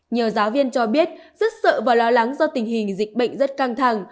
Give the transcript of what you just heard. nhiều giáo viên cho biết rất sợ và lo lắng do tình hình dịch bệnh rất căng thẳng